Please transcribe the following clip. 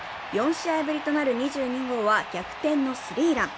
４試合ぶりとなる２２号は逆転のスリーラン。